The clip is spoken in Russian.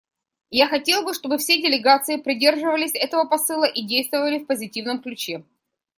Я хотел бы, чтобы все делегации придерживались этого посыла и действовали в позитивном ключе.